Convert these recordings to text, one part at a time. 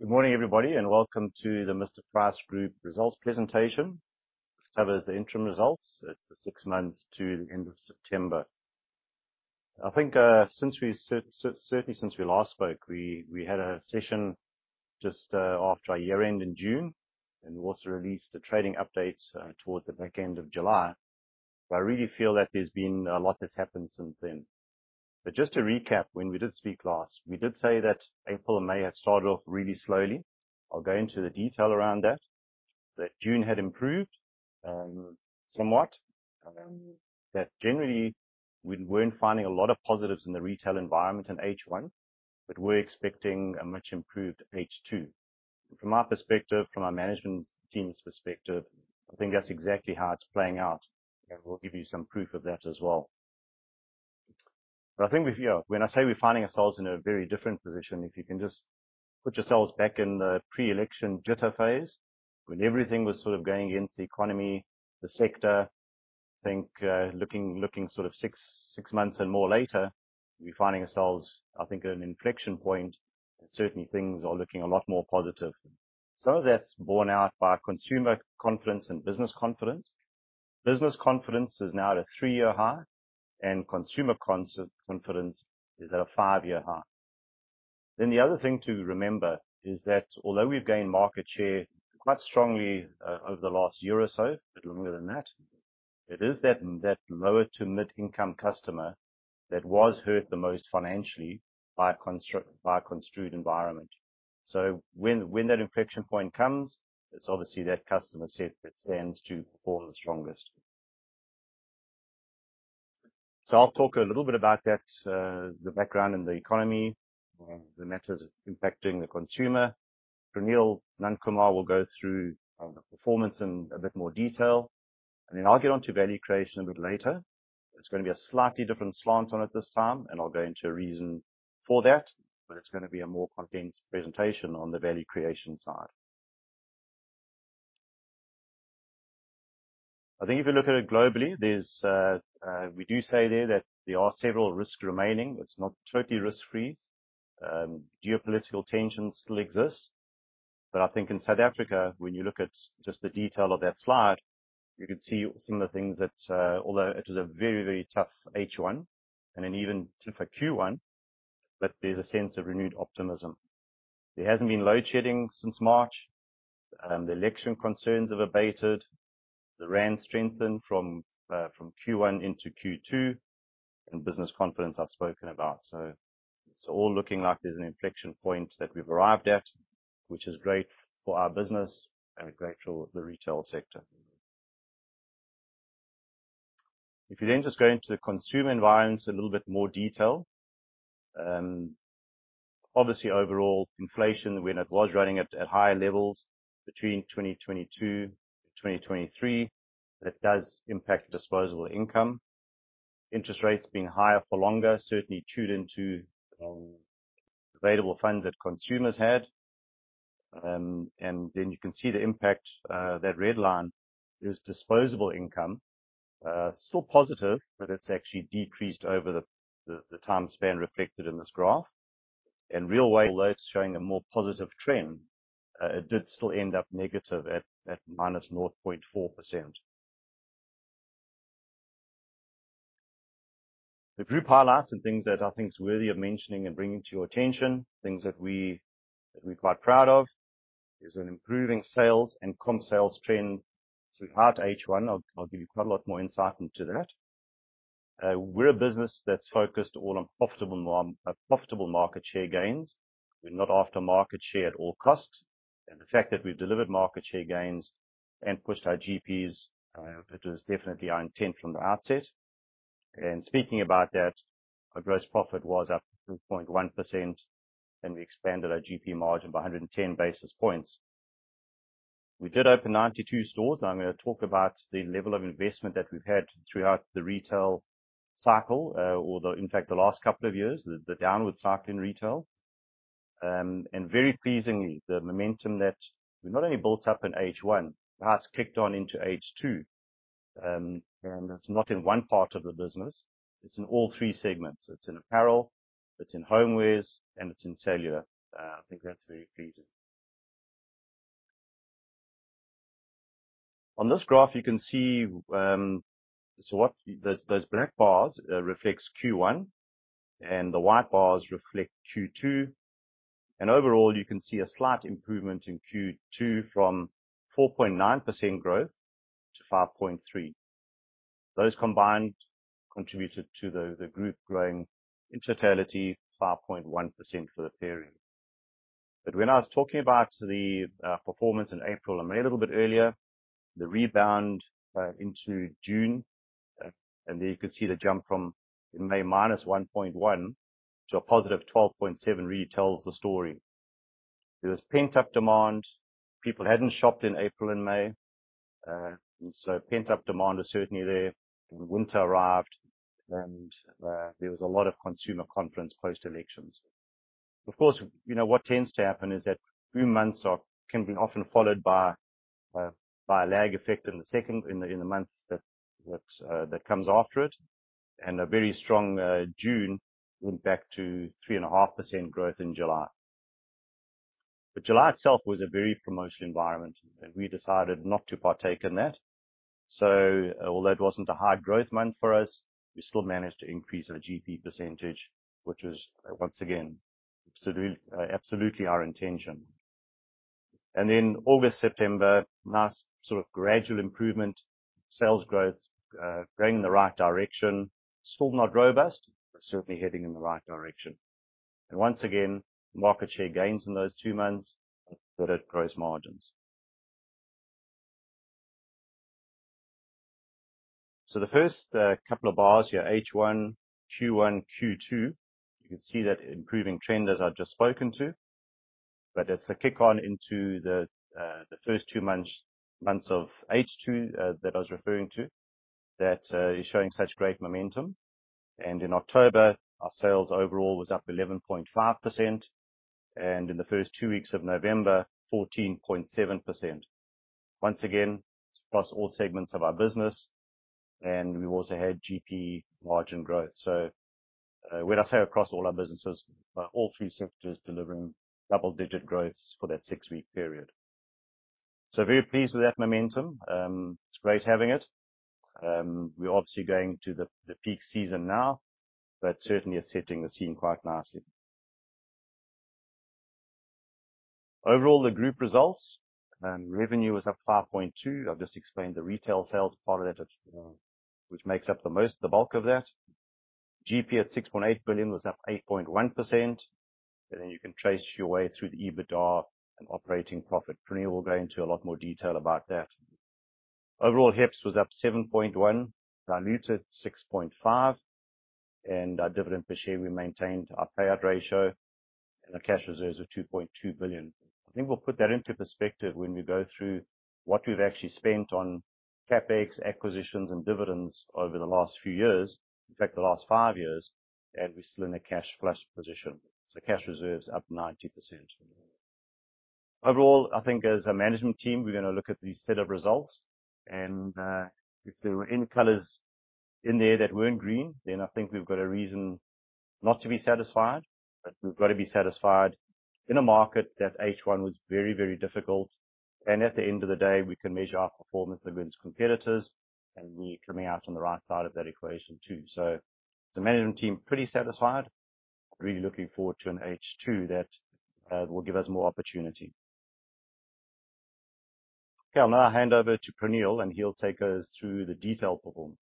Good morning, everybody, and welcome to the Mr Price Group results presentation. This covers the interim results. It's the six months to the end of September. I think, certainly since we last spoke, we had a session just after our year-end in June, and we also released a trading update towards the back end of July. But I really feel that there's been a lot that's happened since then. But just to recap, when we did speak last, we did say that April and May had started off really slowly. I'll go into the detail around that, that June had improved somewhat, that generally we weren't finding a lot of positives in the retail environment in H1, but we're expecting a much improved H2. From our perspective, from our management team's perspective, I think that's exactly how it's playing out, and we'll give you some proof of that as well. But I think we've, yeah, when I say we're finding ourselves in a very different position, if you can just put yourselves back in the pre-election jitter phase, when everything was sort of going against the economy, the sector, I think, looking sort of six months and more later, we're finding ourselves, I think, at an inflection point, and certainly things are looking a lot more positive. Some of that's borne out by consumer confidence and business confidence. Business confidence is now at a three-year high, and consumer confidence is at a five-year high. Then the other thing to remember is that although we've gained market share quite strongly, over the last year or so, a bit longer than that, it is that lower-to-mid-income customer that was hurt the most financially by a constrained environment. So when that inflection point comes, it's obviously that customer set that stands to perform the strongest. So I'll talk a little bit about that, the background in the economy, the matters impacting the consumer. Praneel Nundkumar will go through the performance in a bit more detail. Then I'll get onto value creation a bit later. It's going to be a slightly different slant on it this time, and I'll go into a reason for that, but it's going to be a more condensed presentation on the value creation side. I think if you look at it globally, there are several risks remaining. It's not totally risk-free. Geopolitical tensions still exist, but I think in South Africa, when you look at just the detail of that slide, you can see some of the things that, although it was a very, very tough H1 and an even tougher Q1, but there's a sense of renewed optimism. There hasn't been load-shedding since March. The election concerns have abated. The rand strengthened from Q1 into Q2, and business confidence I've spoken about, so it's all looking like there's an inflection point that we've arrived at, which is great for our business and great for the retail sector. If you then just go into the consumer environment in a little bit more detail, obviously overall inflation, when it was running at higher levels between 2022 and 2023, that does impact disposable income. Interest rates being higher for longer certainly chewed into available funds that consumers had, and then you can see the impact, that red line is disposable income, still positive, but it's actually decreased over the time span reflected in this graph, and retail sales showing a more positive trend. It did still end up negative at -0.4%. The group highlights and things that I think are worthy of mentioning and bringing to your attention, things that we're quite proud of, is an improving sales and comp sales trend through H1. I'll give you quite a lot more insight into that. We're a business that's focused all on profitable market share gains. We're not after market share at all cost. And the fact that we've delivered market share gains and pushed our GPs, it was definitely our intent from the outset. And speaking about that, our gross profit was up 2.1%, and we expanded our GP margin by 110 basis points. We did open 92 stores, and I'm going to talk about the level of investment that we've had throughout the retail cycle, or, in fact, the last couple of years, the downward cycle in retail. And very pleasingly, the momentum that we not only built up in H1, perhaps kicked on into H2. And it's not in one part of the business. It's in all three segments. It's in apparel, it's in homeware, and it's in cellular. I think that's very pleasing. On this graph, you can see what those black bars reflect Q1, and the white bars reflect Q2. Overall, you can see a slight improvement in Q2 from 4.9% growth to 5.3%. Those combined contributed to the group growing in totality 5.1% for the period. When I was talking about the performance in April I made a little bit earlier, the rebound into June, there you can see the jump from May minus 1.1% to a positive 12.7% really tells the story. There was pent-up demand. People hadn't shopped in April and May, so pent-up demand was certainly there. Winter arrived, and there was a lot of consumer confidence post-elections. Of course, you know, what tends to happen is that a few months can be often followed by a lag effect in the month that comes after it, and a very strong June went back to 3.5% growth in July, but July itself was a very promotional environment, and we decided not to partake in that, so although it wasn't a high-growth month for us, we still managed to increase our GP percentage, which was, once again, absolutely our intention. Then August, September, nice sort of gradual improvement, sales growth, going in the right direction, still not robust, but certainly heading in the right direction, and once again, market share gains in those two months that grew margins, so the first couple of bars here, H1, Q1, Q2, you can see that improving trend, as I've just spoken to. But it's the kick-on into the first two months of H2 that I was referring to that is showing such great momentum. And in October, our sales overall was up 11.5%. And in the first two weeks of November, 14.7%. Once again, across all segments of our business, and we've also had GP margin growth. So, when I say across all our businesses, all three sectors delivering double-digit growths for that six-week period. So very pleased with that momentum. It's great having it. We're obviously going to the peak season now, but certainly are setting the scene quite nicely. Overall, the group results, revenue was up 5.2%. I've just explained the retail sales part of that, which makes up the most, the bulk of that. GP at 6.8 billion was up 8.1%. And then you can trace your way through the EBITDA and operating profit. Praneel will go into a lot more detail about that. Overall, HEPS was up 7.1%, diluted 6.5%, and our dividend per share we maintained our payout ratio, and our cash reserves of 2.2 billion. I think we'll put that into perspective when we go through what we've actually spent on CapEx, acquisitions, and dividends over the last few years, in fact, the last five years, and we're still in a cash flush position, so cash reserves up 90%. Overall, I think as a management team, we're going to look at these set of results, and if there were any colors in there that weren't green, then I think we've got a reason not to be satisfied, but we've got to be satisfied in a market that H1 was very, very difficult. And at the end of the day, we can measure our performance against competitors, and we're coming out on the right side of that equation too. So as a management team, pretty satisfied, really looking forward to an H2 that will give us more opportunity. Okay, I'll now hand over to Praneel, and he'll take us through the detailed performance.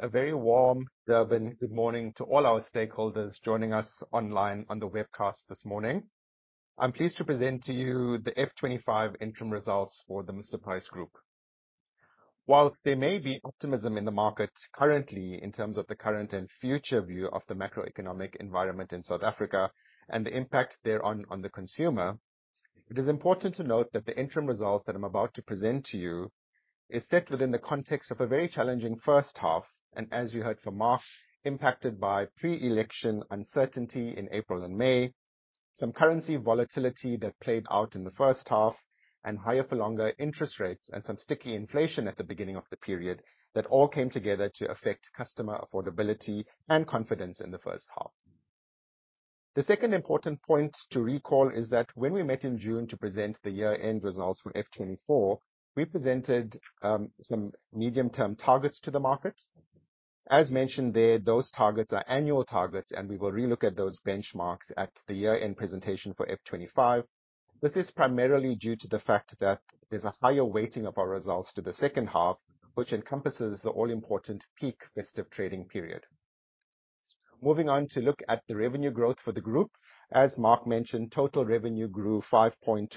A very warm Durban, good morning to all our stakeholders joining us online on the webcast this morning. I'm pleased to present to you the FY 2025 interim results for the Mr Price Group. While there may be optimism in the market currently in terms of the current and future view of the macroeconomic environment in South Africa and the impact thereon on the consumer, it is important to note that the interim results that I'm about to present to you are set within the context of a very challenging first half, and as you heard from Mark, impacted by pre-election uncertainty in April and May, some currency volatility that played out in the first half, and higher-for-longer interest rates, and some sticky inflation at the beginning of the period that all came together to affect customer affordability and confidence in the first half. The second important point to recall is that when we met in June to present the year-end results for FY 2024, we presented some medium-term targets to the market. As mentioned there, those targets are annual targets, and we will relook at those benchmarks at the year-end presentation for FY 2025. This is primarily due to the fact that there's a higher weighting of our results to the second half, which encompasses the all-important peak Festive trading period. Moving on to look at the revenue growth for the group. As Mark mentioned, total revenue grew 5.2%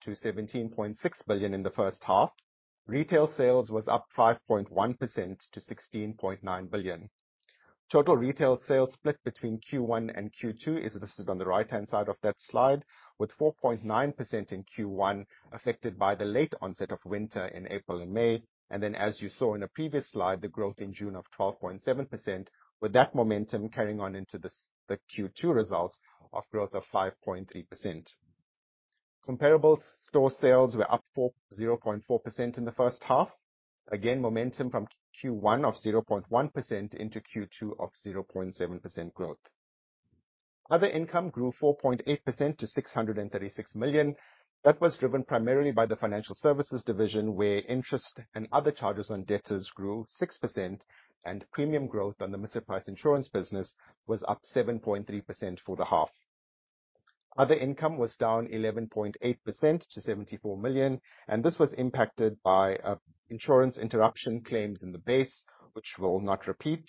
to 17.6 billion in the first half. Retail sales was up 5.1% to 16.9 billion. Total retail sales split between Q1 and Q2 is listed on the right-hand side of that slide, with 4.9% in Q1 affected by the late onset of winter in April and May. Then, as you saw in a previous slide, the growth in June of 12.7%, with that momentum carrying on into the Q2 results of growth of 5.3%. Comparable store sales were up 0.4% in the first half. Again, momentum from Q1 of 0.1% into Q2 of 0.7% growth. Other income grew 4.8% to 636 million. That was driven primarily by the financial services division, where interest and other charges on debtors grew 6%, and premium growth on the Mr Price Insurance business was up 7.3% for the half. Other income was down 11.8% to 74 million, and this was impacted by insurance interruption claims in the base, which we'll not repeat.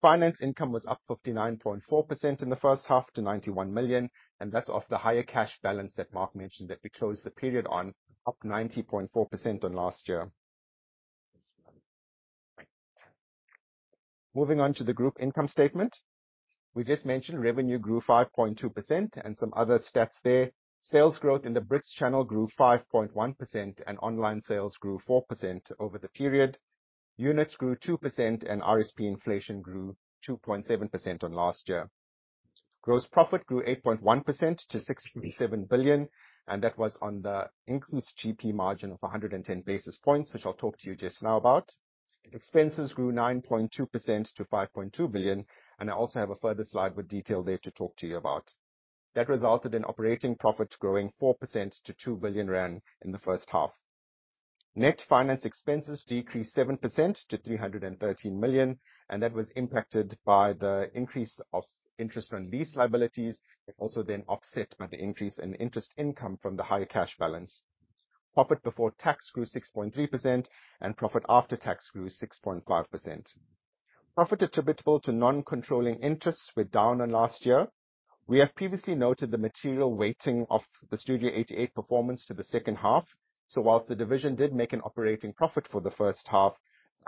Finance income was up 59.4% in the first half to 91 million, and that's off the higher cash balance that Mark mentioned that we closed the period on, up 90.4% on last year. Moving on to the group income statement, we just mentioned revenue grew 5.2% and some other stats there. Sales growth in the bricks channel grew 5.1%, and online sales grew 4% over the period. Units grew 2%, and RSP inflation grew 2.7% on last year. Gross profit grew 8.1% to 6.7 billion, and that was on the increased GP margin of 110 basis points, which I'll talk to you just now about. Expenses grew 9.2% to 5.2 billion, and I also have a further slide with detail there to talk to you about. That resulted in operating profit growing 4% to 2 billion rand in the first half. Net finance expenses decreased 7% to 313 million, and that was impacted by the increase of interest on lease liabilities, also then offset by the increase in interest income from the higher cash balance. Profit before tax grew 6.3%, and profit after tax grew 6.5%. Profit attributable to non-controlling interests were down on last year. We have previously noted the material weighting of the Studio 88 performance to the second half. So while the division did make an operating profit for the H1,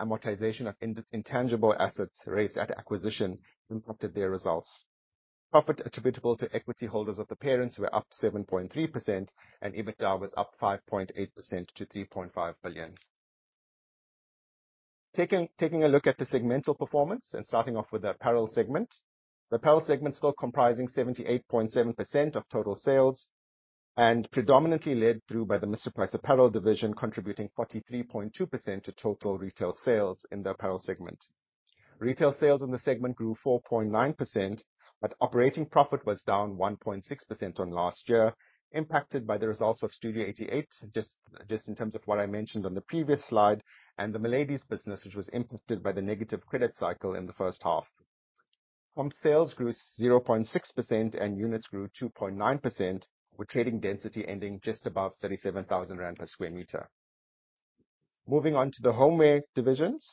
amortization of intangible assets raised at acquisition impacted their results. Profit attributable to equity holders of the parent were up 7.3%, and EBITDA was up 5.8% to 3.5 billion. Taking a look at the segmental performance and starting off with the apparel segment, the apparel segment still comprising 78.7% of total sales and predominantly led through by the Mr Price Apparel division, contributing 43.2% to total retail sales in the apparel segment. Retail sales in the segment grew 4.9%, but operating profit was down 1.6% on last year, impacted by the results of Studio 88, just in terms of what I mentioned on the previous slide, and the Miladys business, which was impacted by the negative credit cycle in the first half. Home sales grew 0.6%, and units grew 2.9%, with trading density ending just above 37,000 rand per square meter. Moving on to the homeware divisions,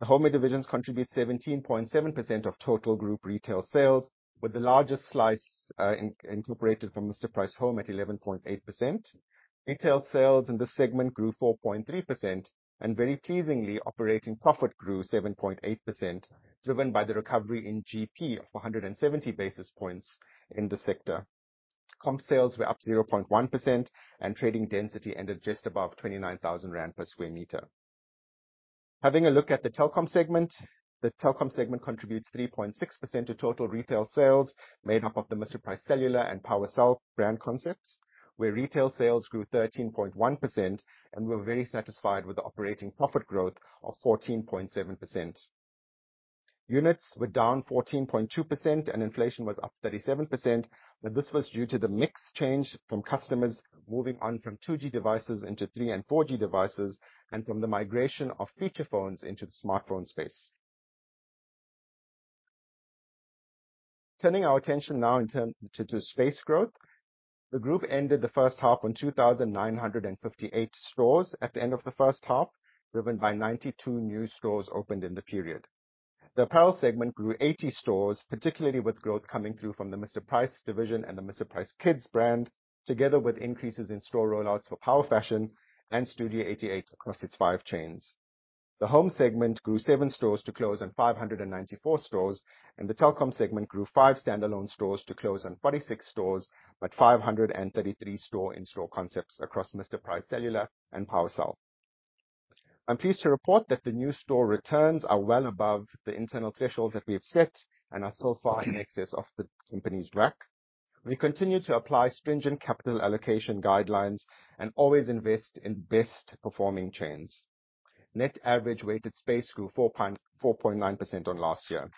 the homeware divisions contribute 17.7% of total group retail sales, with the largest slice incorporated from Mr Price Home at 11.8%. Retail sales in this segment grew 4.3%, and very pleasingly, operating profit grew 7.8%, driven by the recovery in GP of 170 basis points in the sector. Comp sales were up 0.1%, and trading density ended just above 29,000 rand per sq m. Having a look at the telecom segment, the telecom segment contributes 3.6% to total retail sales made up of the Mr Price Cellular and Power Fashion brand concepts, where retail sales grew 13.1%, and we were very satisfied with the operating profit growth of 14.7%. Units were down 14.2%, and inflation was up 37%, but this was due to the mix change from customers moving on from 2G devices into 3G and 4G devices, and from the migration of feature phones into the smartphone space. Turning our attention now in terms of space growth, the group ended the first half on 2,958 stores at the end of the first half, driven by 92 new stores opened in the period. The apparel segment grew 80 stores, particularly with growth coming through from the Mr Price division and the Mr Price Kids brand, together with increases in store rollouts for Power Fashion and Studio 88 across its five chains. The home segment grew seven stores to close on 594 stores, and the telecom segment grew five standalone stores to close on 46 stores, but 533 store-in-store concepts across Mr Price Cellular and Power Fashion. I'm pleased to report that the new store returns are well above the internal thresholds that we have set and are so far in excess of the company's WACC. We continue to apply stringent capital allocation guidelines and always invest in best-performing chains. Net average weighted space grew 4.9% on last year.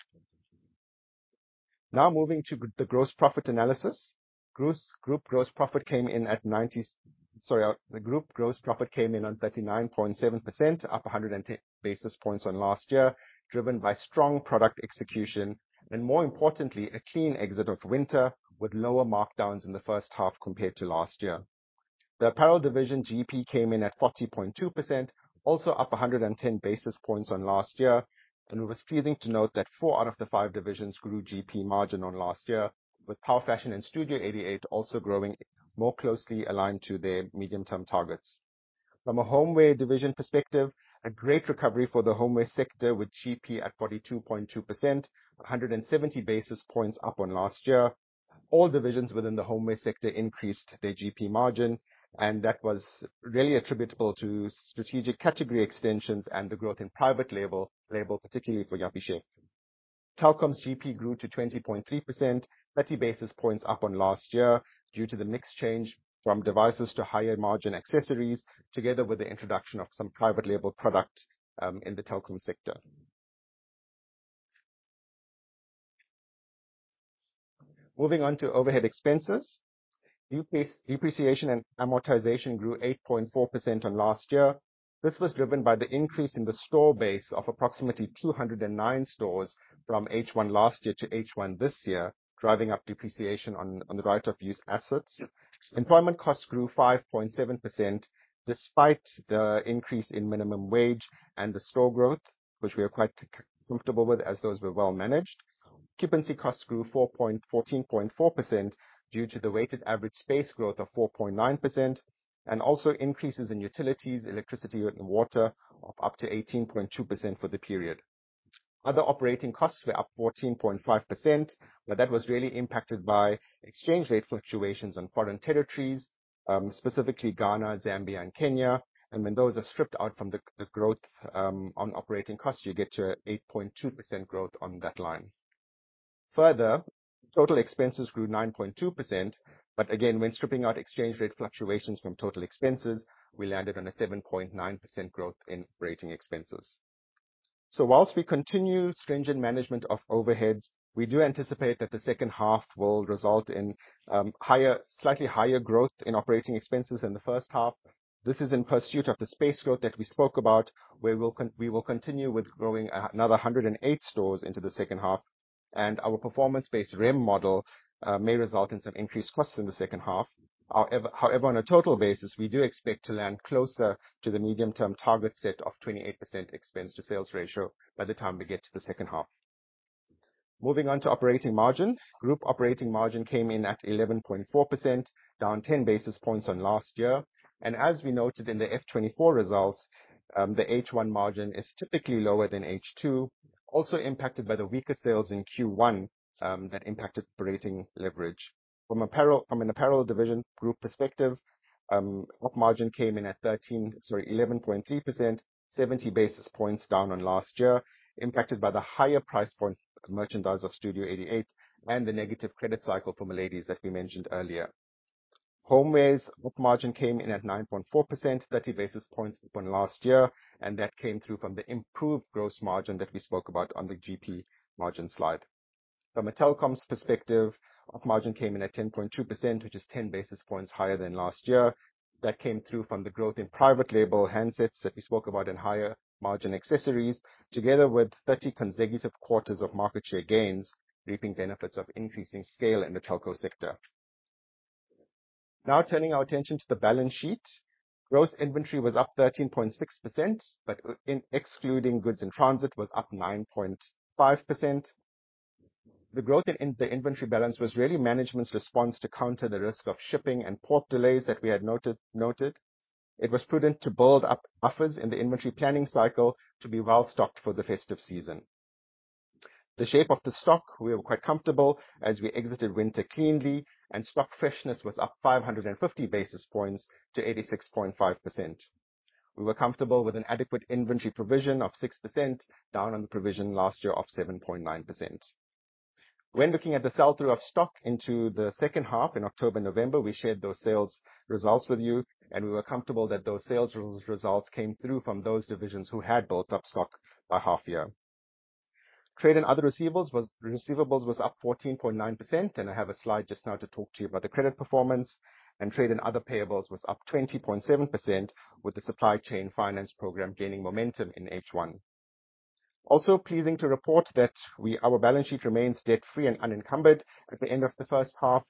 Now moving to the gross profit analysis, group gross profit came in at 90, sorry, the group gross profit came in on 39.7%, up 110 basis points on last year, driven by strong product execution, and more importantly, a clean exit of winter with lower markdowns in the first half compared to last year. The apparel division GP came in at 40.2%, also up 110 basis points on last year, and we were pleased to note that four out of the five divisions grew GP margin on last year, with Power Fashion and Studio 88 also growing more closely aligned to their medium-term targets. From a homeware division perspective, a great recovery for the homeware sector with GP at 42.2%, 170 basis points up on last year. All divisions within the homeware sector increased their GP margin, and that was really attributable to strategic category extensions and the growth in private label, particularly for Yuppiechef. Telecoms' GP grew to 20.3%, 30 basis points up on last year due to the mix change from devices to higher margin accessories, together with the introduction of some private label products in the telecom sector. Moving on to overhead expenses, depreciation and amortization grew 8.4% on last year. This was driven by the increase in the store base of approximately 209 stores from H1 last year to H1 this year, driving up depreciation on the right-of-use assets. Employment costs grew 5.7% despite the increase in minimum wage and the store growth, which we are quite comfortable with as those were well managed. Occupancy costs grew 14.4% due to the weighted average space growth of 4.9%, and also increases in utilities, electricity, and water of up to 18.2% for the period. Other operating costs were up 14.5%, but that was really impacted by exchange rate fluctuations on foreign territories, specifically Ghana, Zambia, and Kenya, and when those are stripped out from the growth on operating costs, you get to 8.2% growth on that line. Further, total expenses grew 9.2%, but again, when stripping out exchange rate fluctuations from total expenses, we landed on a 7.9% growth in operating expenses, so while we continue stringent management of overheads, we do anticipate that the second half will result in higher, slightly higher growth in operating expenses than the H1. This is in pursuit of the space growth that we spoke about, where we will continue with growing another 108 stores into the H2, and our performance-based rem model may result in some increased costs in the H2. However, on a total basis, we do expect to land closer to the medium-term target set of 28% expense-to-sales ratio by the time we get to the second half. Moving on to operating margin, group operating margin came in at 11.4%, down 10 basis points on last year, and as we noted in the FY 2024 results, the H1 margin is typically lower than H2, also impacted by the weaker sales in Q1 that impacted operating leverage. From an apparel division group perspective, book margin came in at 13, sorry, 11.3%, 70 basis points down on last year, impacted by the higher price point merchandise of Studio 88 and the negative credit cycle for Miladys that we mentioned earlier. Homeware's book margin came in at 9.4%, 30 basis points up on last year, and that came through from the improved gross margin that we spoke about on the GP margin slide. From a telecoms perspective, book margin came in at 10.2%, which is 10 basis points higher than last year. That came through from the growth in private label handsets that we spoke about and higher margin accessories, together with 30 consecutive quarters of market share gains, reaping benefits of increasing scale in the telco sector. Now turning our attention to the balance sheet, gross inventory was up 13.6%, but excluding goods in transit was up 9.5%. The growth in the inventory balance was really management's response to counter the risk of shipping and port delays that we had noted. It was prudent to build up offers in the inventory planning cycle to be well stocked for the festive season. The shape of the stock, we were quite comfortable as we exited winter cleanly, and stock freshness was up 550 basis points to 86.5%. We were comfortable with an adequate inventory provision of 6% down on the provision last year of 7.9%. When looking at the sell-through of stock into the H1 in October and November, we shared those sales results with you, and we were comfortable that those sales results came through from those divisions who had built up stock by half year. Trade and other receivables was up 14.9%, and I have a slide just now to talk to you about the credit performance, and trade and other payables was up 20.7%, with the supply chain finance program gaining momentum in H1. Also pleasing to report that our balance sheet remains debt-free and unencumbered at the end of the H1,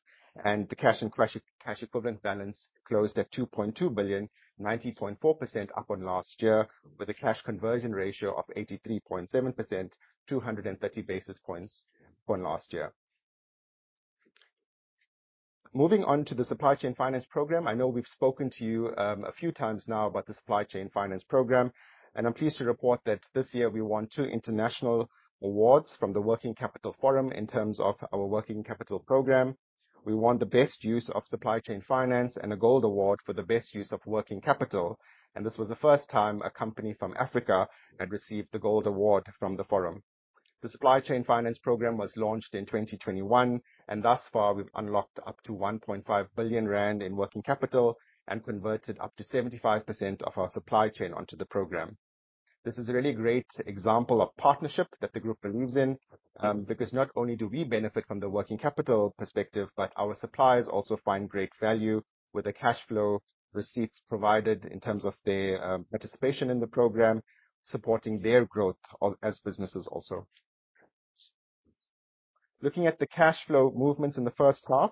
and the cash and cash equivalent balance closed at 2.2 billion, 90.4% up on last year, with a cash conversion ratio of 83.7%, 230 basis points upon last year. Moving on to the supply chain finance program, I know we've spoken to you a few times now about the supply chain finance program, and I'm pleased to report that this year we won two international awards from the Working Capital Forum in terms of our working capital program. We won the Best Use of Supply Chain Finance and a gold award for the Best Use of Working Capital, and this was the first time a company from Africa had received the gold award from the forum. The supply chain finance program was launched in 2021, and thus far we've unlocked up to 1.5 billion rand in working capital and converted up to 75% of our supply chain onto the program. This is a really great example of partnership that the group believes in, because not only do we benefit from the working capital perspective, but our suppliers also find great value with the cash flow receipts provided in terms of their participation in the program, supporting their growth as businesses also. Looking at the cash flow movements in the first half,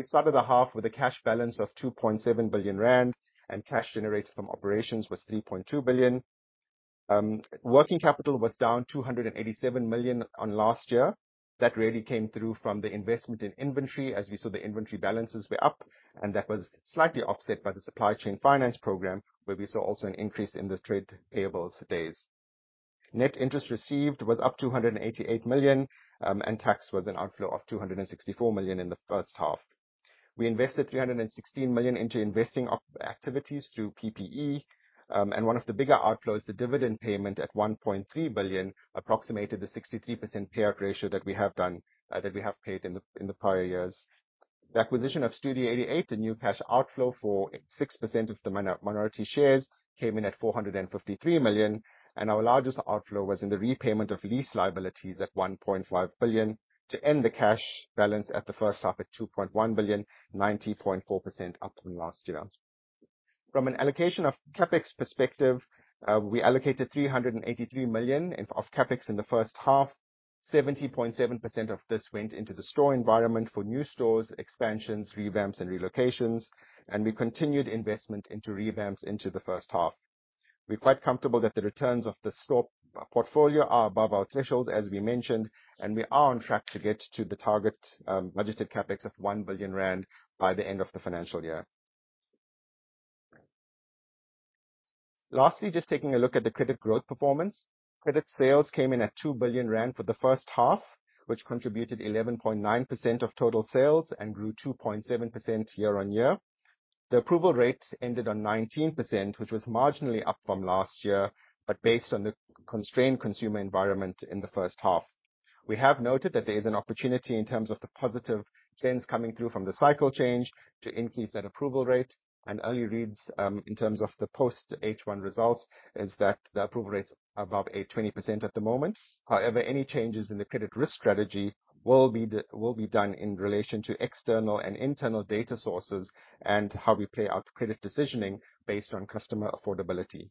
we started the half with a cash balance of 2.7 billion rand, and cash generated from operations was 3.2 billion. Working capital was down 287 million on last year. That really came through from the investment in inventory, as we saw the inventory balances were up, and that was slightly offset by the supply chain finance program, where we saw also an increase in the trade payables days. Net interest received was up 288 million, and tax was an outflow of 264 million in the first half. We invested 316 million into investing activities through PPE, and one of the bigger outflows, the dividend payment at 1.3 billion, approximated the 63% payout ratio that we have done, that we have paid in the prior years. The acquisition of Studio 88, a new cash outflow for 6% of the minority shares, came in at 453 million, and our largest outflow was in the repayment of lease liabilities at 1.5 billion to end the cash balance at the first half at 2.1 billion, 90.4% up from last year. From an allocation of CapEx perspective, we allocated 383 million of CapEx in the first half. 70.7% of this went into the store environment for new stores, expansions, revamps, and relocations, and we continued investment into revamps into the first half. We're quite comfortable that the returns of the store portfolio are above our thresholds, as we mentioned, and we are on track to get to the target budgeted CapEx of 1 billion rand by the end of the financial year. Lastly, just taking a look at the credit growth performance, credit sales came in at 2 billion Rand for the H1, which contributed 11.9% of total sales and grew 2.7% year-on-year. The approval rate ended on 19%, which was marginally up from last year, but based on the constrained consumer environment in the H1. We have noted that there is an opportunity in terms of the positive trends coming through from the cycle change to increase that approval rate, and early reads in terms of the post-H1 results is that the approval rate is above 20% at the moment. However, any changes in the credit risk strategy will be done in relation to external and internal data sources and how we play out credit decisioning based on customer affordability.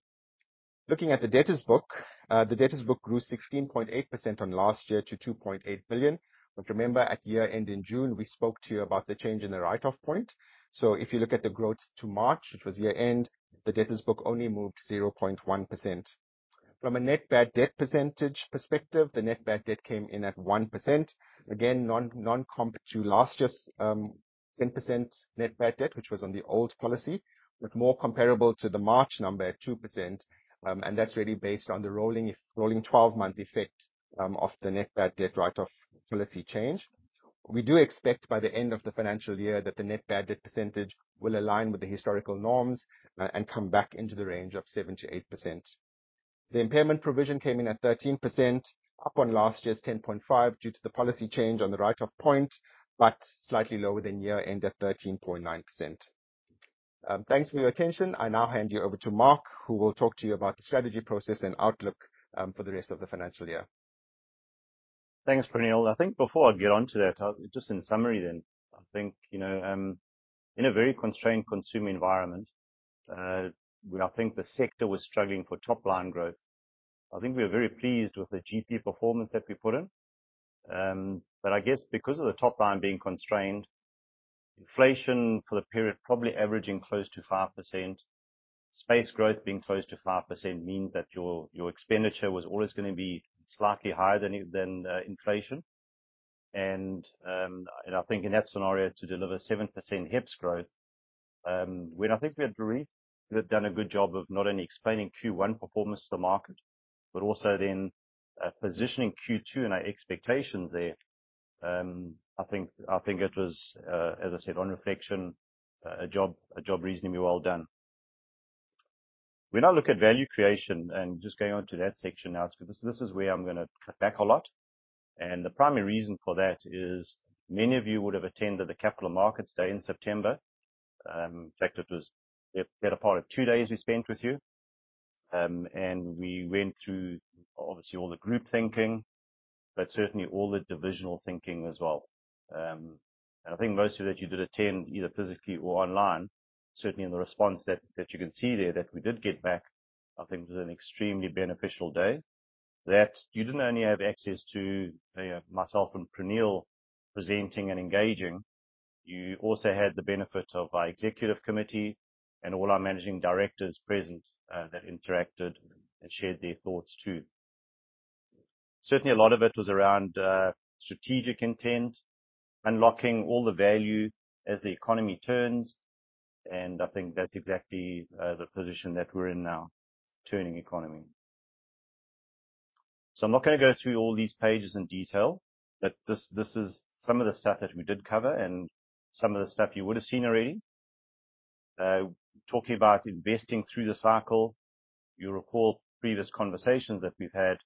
Looking at the debtors' book, the debtors' book grew 16.8% on last year to 2.8 billion, but remember at year-end in June, we spoke to you about the change in the write-off point. So if you look at the growth to March, which was year-end, the debtors' book only moved 0.1%. From a net bad debt percentage perspective, the net bad debt came in at 1%, again, non-comp to last year's 10% net bad debt, which was on the old policy, but more comparable to the March number at 2%, and that's really based on the rolling 12-month effect of the net bad debt write-off policy change. We do expect by the end of the financial year that the net bad debt percentage will align with the historical norms and come back into the range of 7%-8%. The impairment provision came in at 13%, up on last year's 10.5% due to the policy change on the write-off point, but slightly lower than year-end at 13.9%. Thanks for your attention. I now hand you over to Mark, who will talk to you about the strategy process and outlook for the rest of the financial year. Thanks, Praneel. I think before I get onto that, just in summary then, I think, you know, in a very constrained consumer environment, I think the sector was struggling for top-line growth. I think we were very pleased with the GP performance that we put in, but I guess because of the top-line being constrained, inflation for the period probably averaging close to 5%, space growth being close to 5% means that your expenditure was always going to be slightly higher than inflation. I think in that scenario, to deliver 7% HEPS growth, when I think we had done a good job of not only explaining Q1 performance to the market, but also then positioning Q2 and our expectations there, I think it was, as I said, on reflection, a job reasonably well done. When I look at value creation and just going on to that section now, this is where I'm going to cut back a lot. The primary reason for that is many of you would have attended the Capital Markets Day in September. In fact, it was the better part of two days we spent with you, and we went through, obviously, all the group thinking, but certainly all the divisional thinking as well. I think most of that you did attend either physically or online, certainly in the response that you can see there that we did get back, I think was an extremely beneficial day. That you didn't only have access to myself and Praneel presenting and engaging, you also had the benefit of our executive committee and all our managing directors present that interacted and shared their thoughts too. Certainly, a lot of it was around strategic intent, unlocking all the value as the economy turns, and I think that's exactly the position that we're in now, turning economy. I'm not going to go through all these pages in detail, but this is some of the stuff that we did cover and some of the stuff you would have seen already. Talking about investing through the cycle, you'll recall previous conversations that we've had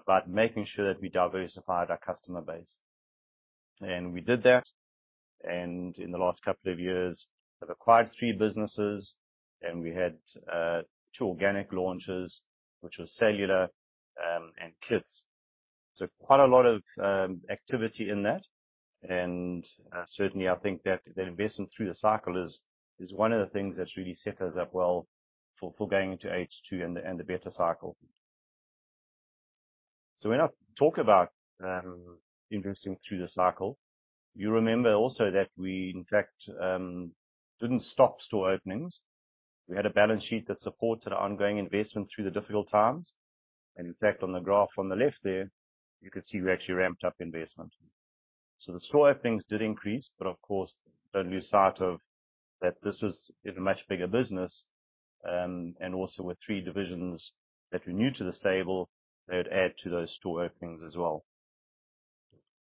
about making sure that we diversified our customer base. And we did that, and in the last couple of years, we've acquired three businesses, and we had two organic launches, which were cellular and kids. So quite a lot of activity in that, and certainly, I think that investment through the cycle is one of the things that really set us up well for going into H2 and the better cycle. So when I talk about investing through the cycle, you remember also that we, in fact, didn't stop store openings. We had a balance sheet that supported ongoing investment through the difficult times, and in fact, on the graph on the left there, you can see we actually ramped up investment. So the store openings did increase, but of course, don't lose sight of that this was a much bigger business, and also with three divisions that were new to the stable, they would add to those store openings as well.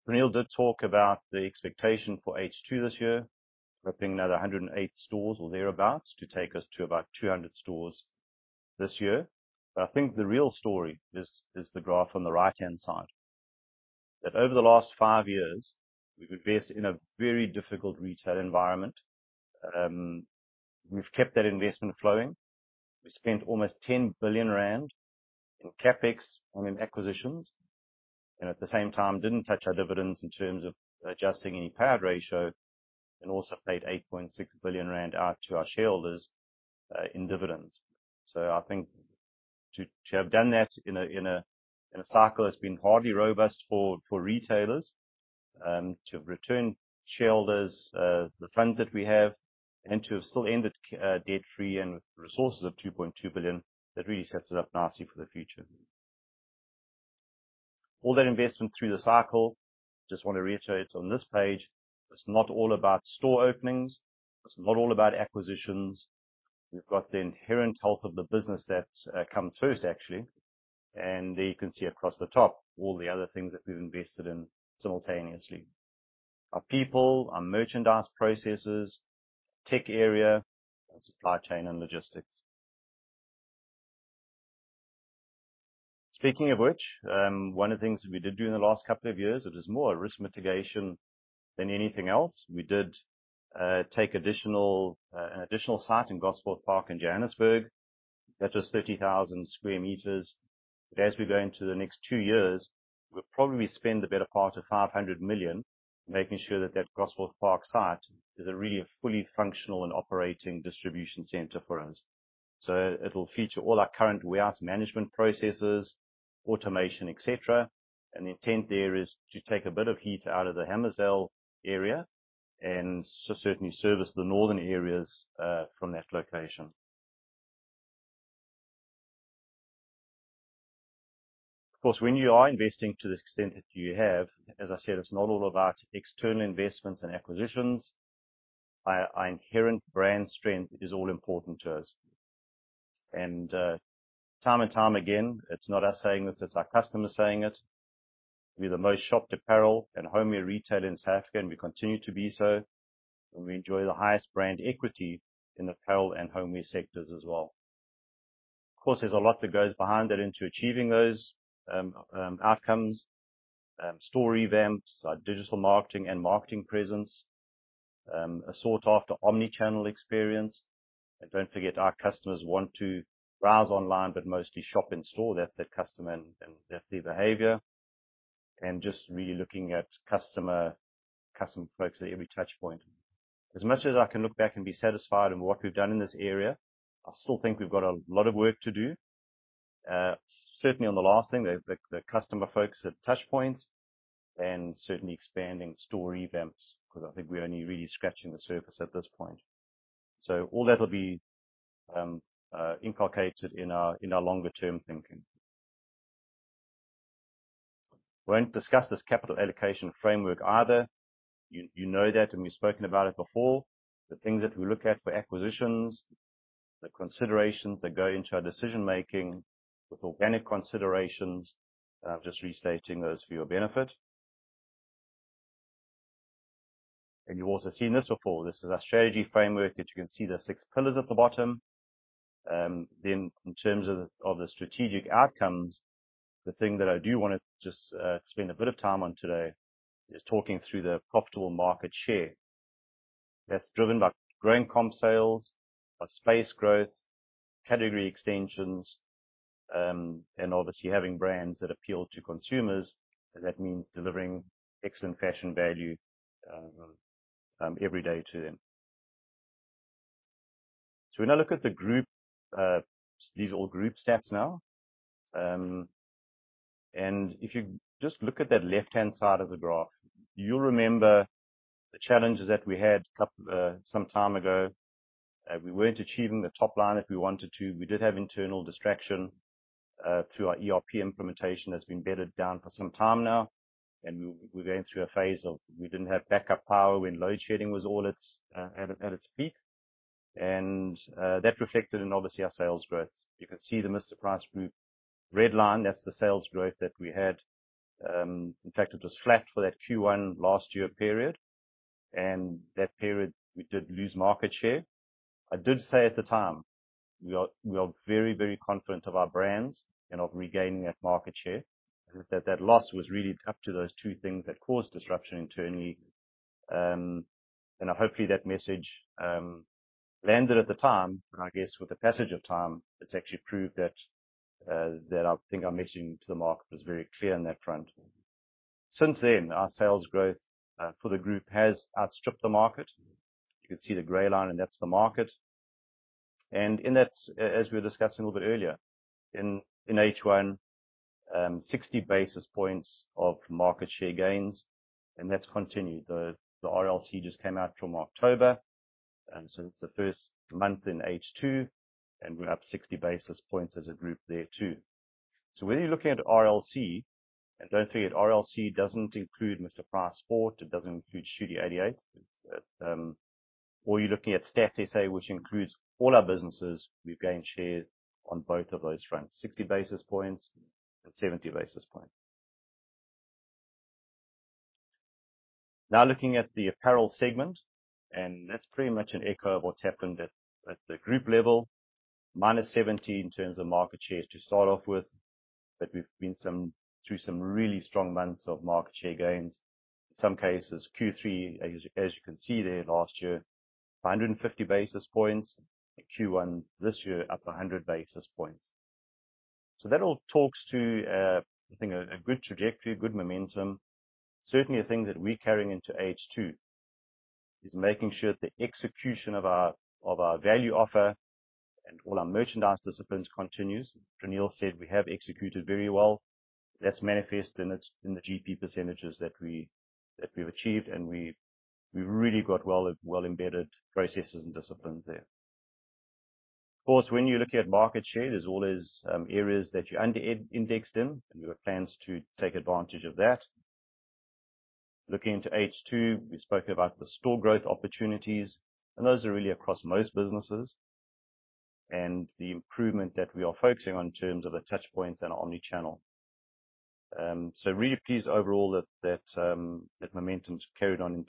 Praneel did talk about the expectation for H2 this year, opening another 108 stores or thereabouts to take us to about 200 stores this year. But I think the real story is the graph on the right-hand side. That over the last five years, we've invested in a very difficult retail environment. We've kept that investment flowing. We spent almost 10 billion Rand in CapEx and in acquisitions, and at the same time, didn't touch our dividends in terms of adjusting any payout ratio, and also paid 8.6 billion Rand out to our shareholders in dividends. So I think to have done that in a cycle that's been hardly robust for retailers, to have returned shareholders the funds that we have, and to have still ended debt-free and with resources of 2.2 billion, that really sets us up nicely for the future. All that investment through the cycle, just want to reiterate on this page, it's not all about store openings, it's not all about acquisitions. We've got the inherent health of the business that comes first, actually, and there you can see across the top all the other things that we've invested in simultaneously. Our people, our merchandise processes, tech area, and supply chain and logistics. Speaking of which, one of the things that we did do in the last couple of years, it was more risk mitigation than anything else. We did take an additional site in Gosforth Park in Johannesburg. That was 30,000 sq m. But as we go into the next two years, we'll probably spend the better part of 500 million making sure that that Gosforth Park site is a really fully functional and operating distribution center for us. So it will feature all our current warehouse management processes, automation, etc. And the intent there is to take a bit of heat out of the Hammarsdale area and certainly service the northern areas from that location. Of course, when you are investing to the extent that you have, as I said, it's not all about external investments and acquisitions. Our inherent brand strength is all important to us. And time and time again, it's not us saying this, it's our customers saying it. We are the most shopped apparel and homeware retail in South Africa, and we continue to be so, and we enjoy the highest brand equity in the apparel and homeware sectors as well. Of course, there's a lot that goes behind that into achieving those outcomes. Store revamps, our digital marketing and marketing presence, a sought-after omnichannel experience. And don't forget, our customers want to browse online, but mostly shop in store. That's their customer and that's their behavior. And just really looking at customer focus at every touchpoint. As much as I can look back and be satisfied with what we've done in this area, I still think we've got a lot of work to do. Certainly on the last thing, the customer focus at touchpoints and certainly expanding store revamps, because I think we're only really scratching the surface at this point. So all that will be inculcated in our longer-term thinking. We won't discuss this capital allocation framework either. You know that, and we've spoken about it before. The things that we look at for acquisitions, the considerations that go into our decision-making with organic considerations, and I'm just restating those for your benefit. And you've also seen this before. This is our strategy framework that you can see the six pillars at the bottom. Then in terms of the strategic outcomes, the thing that I do want to just spend a bit of time on today is talking through the profitable market share. That's driven by growing comp sales, by space growth, category extensions, and obviously having brands that appeal to consumers. That means delivering excellent fashion value every day to them. So when I look at these all group stats now, and if you just look at that left-hand side of the graph, you'll remember the challenges that we had some time ago. We weren't achieving the top line if we wanted to. We did have internal distraction through our ERP implementation that's been bedded down for some time now, and we were going through a phase of we didn't have backup power when load-shedding was all at its peak. And that reflected in obviously our sales growth. You can see the Mr Price Group red line, that's the sales growth that we had. In fact, it was flat for that Q1 last year period, and that period we did lose market share. I did say at the time, we are very, very confident of our brands and of regaining that market share. That loss was really up to those two things that caused disruption internally. And hopefully that message landed at the time, but I guess with the passage of time, it's actually proved that I think our messaging to the market was very clear on that front. Since then, our sales growth for the group has outstripped the market. You can see the gray line, and that's the market. And as we were discussing a little bit earlier, in H1, 60 basis points of market share gains, and that's continued. The RLC just came out from October, and so it's the first month in H2, and we're up 60 basis points as a group there too. So when you're looking at RLC, and don't forget, RLC doesn't include Mr Price Sport, it doesn't include Studio 88. Or you're looking at Stats SA, which includes all our businesses. We've gained share on both of those fronts, 60 basis points and 70 basis points. Now looking at the apparel segment, and that's pretty much an echo of what's happened at the group level, -70 in terms of market share to start off with, but we've been through some really strong months of market share gains. In some cases, Q3, as you can see there last year, 150 basis points, and Q1 this year, up 100 basis points. So that all talks to, I think, a good trajectory, good momentum. Certainly, the things that we're carrying into H2 is making sure the execution of our value offer and all our merchandise disciplines continues. Praneel said we have executed very well. That's manifest in the GP percentages that we've achieved, and we've really got well-embedded processes and disciplines there. Of course, when you're looking at market share, there's always areas that you're under indexed in, and we've got plans to take advantage of that. Looking into H2, we spoke about the store growth opportunities, and those are really across most businesses, and the improvement that we are focusing on in terms of the touchpoints and omnichannel. So really pleased overall that momentum's carried on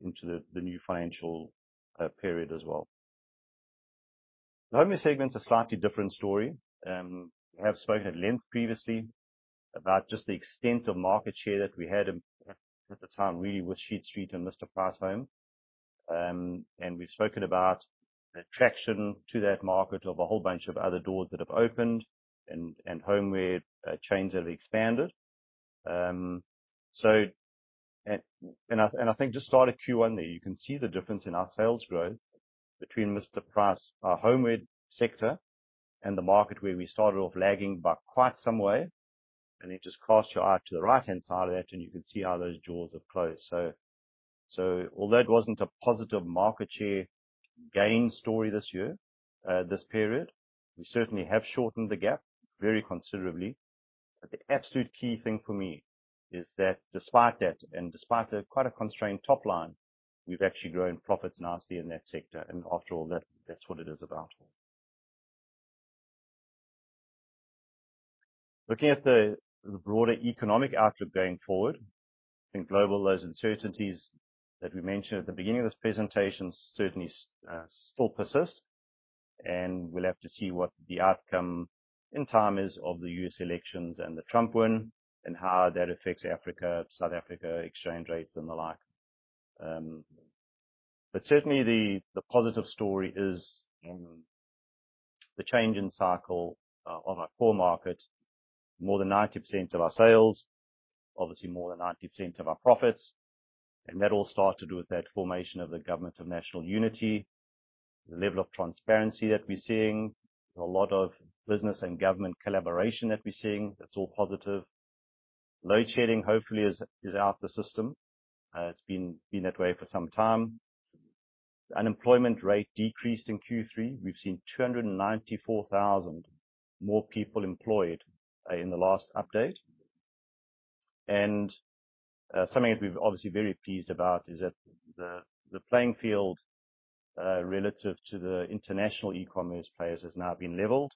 into the new financial period as well. The homeware segment's a slightly different story. We have spoken at length previously about just the extent of market share that we had at the time really with Sheet Street and Mr Price Home. And we've spoken about the attraction to that market of a whole bunch of other doors that have opened and homeware chains that have expanded. So I think just start at Q1 there. You can see the difference in our sales growth between Mr Price, our homeware sector, and the market where we started off lagging by quite some way. And it just casts your eye to the right-hand side of that, and you can see how those doors have closed. So although it wasn't a positive market share gain story this year, this period, we certainly have shortened the gap very considerably. But the absolute key thing for me is that despite that and despite quite a constrained top line, we've actually grown profits nicely in that sector. And after all that, that's what it is about. Looking at the broader economic outlook going forward, I think, globally, those uncertainties that we mentioned at the beginning of this presentation certainly still persist. And we'll have to see what the outcome in time is of the U.S. elections and the Trump win and how that affects Africa, South Africa exchange rates and the like. But certainly, the positive story is the change in cycle of our core market, more than 90% of our sales, obviously more than 90% of our profits. And that all starts to do with that formation of the Government of National Unity, the level of transparency that we're seeing, a lot of business and government collaboration that we're seeing. That's all positive. Load-shedding hopefully is out of the system. It's been that way for some time. The unemployment rate decreased in Q3. We've seen 294,000 more people employed in the last update. And something that we've obviously very pleased about is that the playing field relative to the international e-commerce players has now been leveled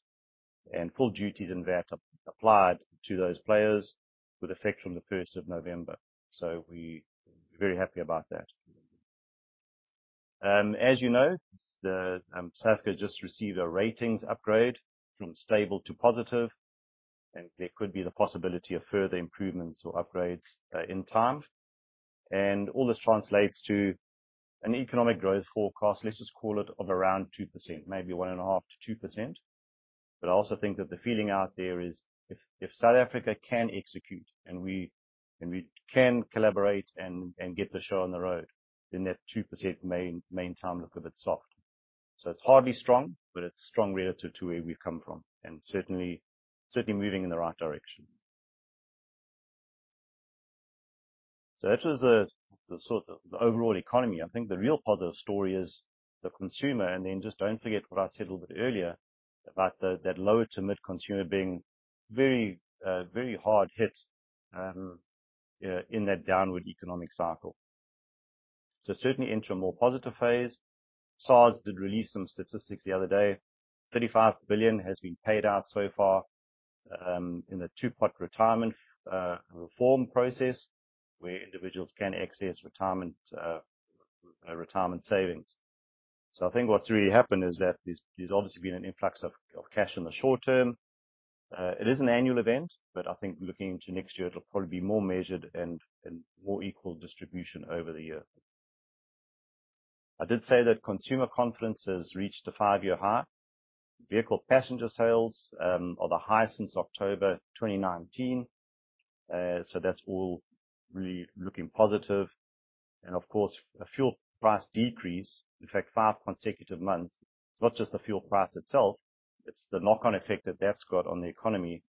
and full duties and VAT applied to those players with effect from the 1st of November. So we're very happy about that. As you know, South Africa just received a ratings upgrade from stable to positive, and there could be the possibility of further improvements or upgrades in time. All this translates to an economic growth forecast, let's just call it, of around 2%, maybe 1.5%-2%. I also think that the feeling out there is if South Africa can execute and we can collaborate and get the show on the road, then that 2% may in time look a bit soft. It's hardly strong, but it's strong relative to where we've come from and certainly moving in the right direction. That was the overall economy. I think the real positive story is the consumer. Then just don't forget what I said a little bit earlier about that lower to mid-consumer being very hard hit in that downward economic cycle. So certainly enter a more positive phase. SARS did release some statistics the other day. 35 billion has been paid out so far in the Two-Pot retirement reform process where individuals can access retirement savings. So I think what's really happened is that there's obviously been an influx of cash in the short term. It is an annual event, but I think looking into next year, it'll probably be more measured and more equal distribution over the year. I did say that consumer confidence has reached a five-year high. Vehicle passenger sales are the high since October 2019. So that's all really looking positive. And of course, a fuel price decrease, in fact, five consecutive months, not just the fuel price itself, it's the knock-on effect that that's got on the economy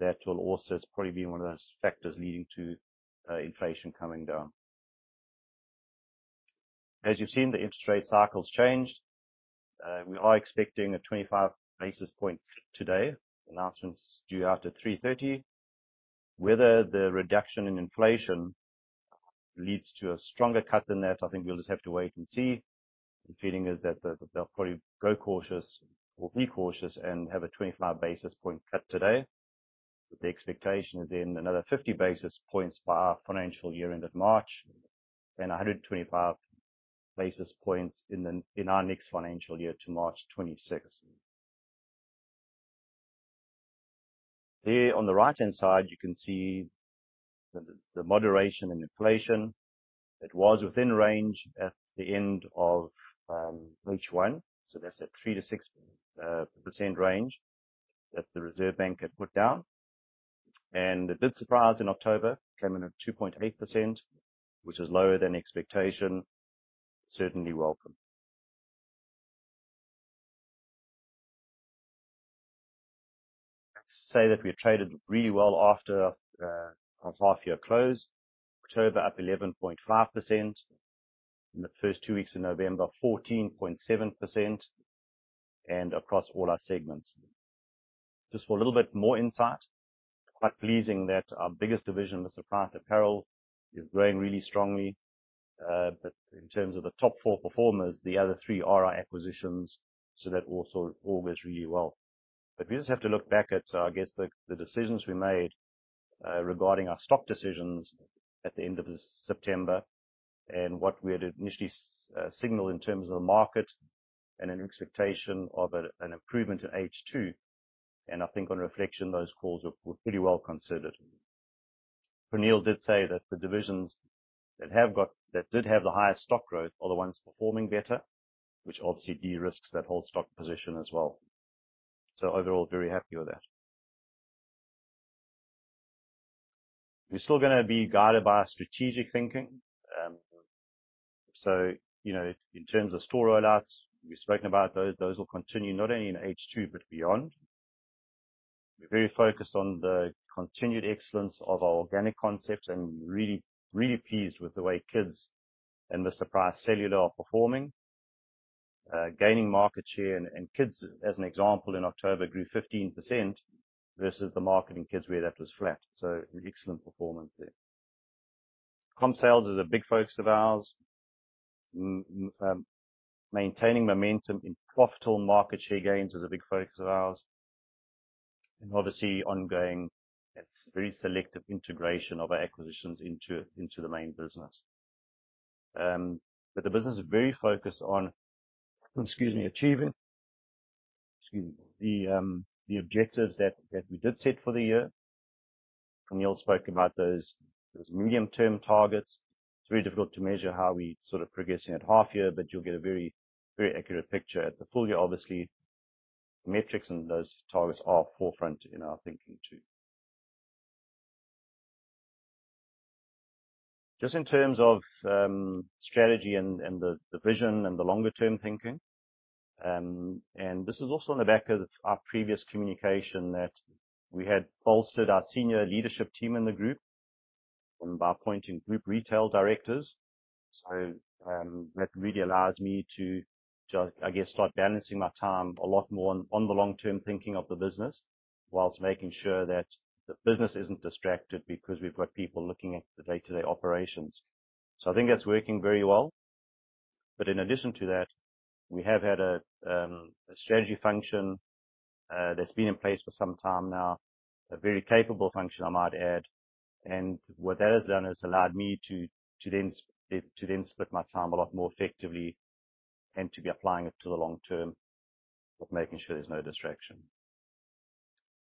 that will also probably be one of those factors leading to inflation coming down. As you've seen, the interest rate cycle's changed. We are expecting a 25 basis point cut today. Announcements due after 3:30 P.M. Whether the reduction in inflation leads to a stronger cut than that, I think we'll just have to wait and see. The feeling is that they'll probably go cautious or be cautious and have a 25 basis point cut today. The expectation is then another 50 basis points by our financial year end of March and 125 basis points in our next financial year to March 2026. There on the right-hand side, you can see the moderation in inflation. It was within range at the end of H1. So that's a 3%-6% range that the Reserve Bank had put down. And a bit surprised in October came in at 2.8%, which is lower than expectation. Certainly welcome. Let's say that we traded really well after our half-year close. October up 11.5%. In the first two weeks of November, 14.7%, and across all our segments. Just for a little bit more insight, quite pleasing that our biggest division, Mr Price Apparel, is growing really strongly, but in terms of the top four performers, the other three are our acquisitions, so that also all goes really well, but we just have to look back at, I guess, the decisions we made regarding our stock decisions at the end of September and what we had initially signaled in terms of the market and an expectation of an improvement in H2, and I think on reflection, those calls were pretty well considered. Praneel did say that the divisions that did have the highest stock growth are the ones performing better, which obviously de-risks that whole stock position as well. So overall, very happy with that. We're still going to be guided by our strategic thinking. So in terms of store rollouts, we've spoken about those. Those will continue not only in H2 but beyond. We're very focused on the continued excellence of our organic concepts and really pleased with the way Kids and Mr Price Cellular are performing, gaining market share. And Kids, as an example, in October grew 15% versus the market in Kids where that was flat. So excellent performance there. Comp sales is a big focus of ours. Maintaining momentum in profitable market share gains is a big focus of ours. And obviously, ongoing, it's very selective integration of our acquisitions into the main business. But the business is very focused on achieving the objectives that we did set for the year. Praneel spoke about those medium-term targets. It's very difficult to measure how we're sort of progressing at half-year, but you'll get a very accurate picture. At the full year, obviously, the metrics and those targets are forefront in our thinking too. Just in terms of strategy and the vision and the longer-term thinking, and this is also on the back of our previous communication that we had bolstered our senior leadership team in the group by appointing group retail directors. So that really allows me to, I guess, start balancing my time a lot more on the long-term thinking of the business whilst making sure that the business isn't distracted because we've got people looking at the day-to-day operations. So I think that's working very well. But in addition to that, we have had a strategy function that's been in place for some time now, a very capable function, I might add. What that has done is allowed me to then split my time a lot more effectively and to be applying it to the long term of making sure there's no distraction,